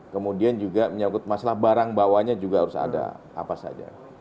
kemudian juga menyangkut masalah barang bawanya juga harus ada apa saja